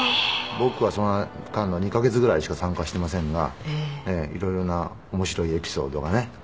僕はその間の２カ月ぐらいしか参加していませんが色々な面白いエピソードがねあります。